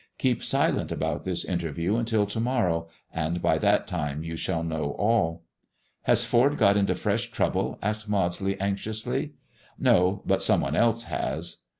Keep silent about this interview till to morrow, and by that time you shall know all." "Has Ford got into fresh trouble?" asked Maudsley anxiously. " No, but some one else has.